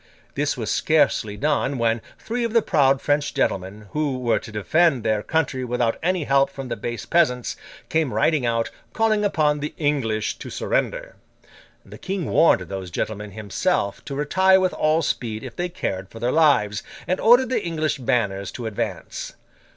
This was scarcely done, when three of the proud French gentlemen, who were to defend their country without any help from the base peasants, came riding out, calling upon the English to surrender. The King warned those gentlemen himself to retire with all speed if they cared for their lives, and ordered the English banners to advance.